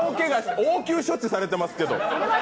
応急処置されてますけど。